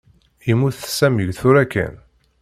Yemmut Sami tura kan.